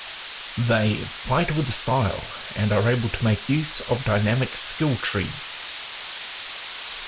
They "fight with style" and are able to make use of dynamic skill trees.